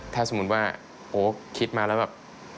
ถ้าสมมุติว่าโอ๊คคิดมาแล้วแบบ